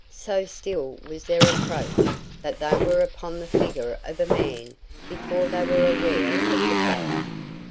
So still was their approach that they were upon the figure of a man before they were aware of the fact.